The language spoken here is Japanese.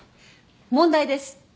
問題です。